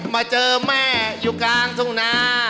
มาเจอแม่อยู่กลางทุ่งนา